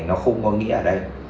nó không có nghĩa ở đây